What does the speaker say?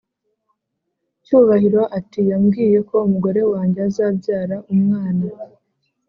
Cyubahiro ati"yambwiye ko umugore wanjye azabyara umwana